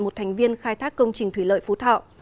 một thành viên khai thác công trình thủy lợi phú thọ